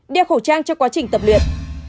đeo khẩu trang cho quá trình tập luyện